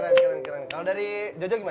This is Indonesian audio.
nanti sebenarnya kayak hal hal baru nagari